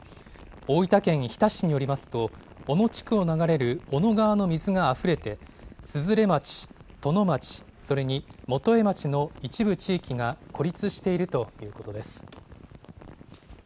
大分県日田市によりますと、小野地区を流れる小野川の水があふれて、鈴連町、殿町、それに源栄町の一部地域が孤立しているということです。